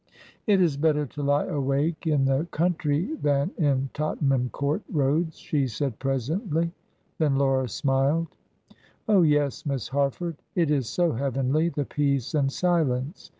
"It is better to lie awake in the country than in Tottenham Court Roads," she said, presently. Then Laura smiled. "Oh, yes, Miss Harford; it is so heavenly, the peace and silence.